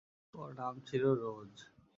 ওর নাম ছিল রোজ।